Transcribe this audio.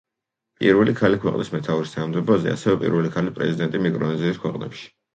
პირველი ქალი ქვეყნის მეთაურის თანამდებობაზე, ასევე პირველი ქალი პრეზიდენტი მიკრონეზიის ქვეყნებში.